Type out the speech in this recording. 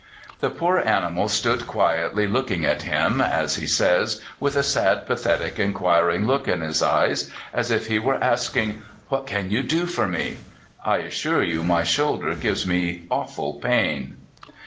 The poor animal stood quietly looking at him, as he says, with a sad, pathetic, inquiring look in his eyes, as if he were asking, "What can you do for me? I assure you my shoulder gives me awful pain."